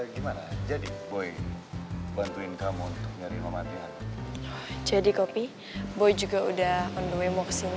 gimana jadi boy bantuin kamu untuk nyari mama adriana jadi kopi boy juga udah on the way mau kesini